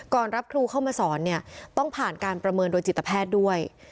รับครูเข้ามาสอนเนี่ยต้องผ่านการประเมินโดยจิตแพทย์ด้วย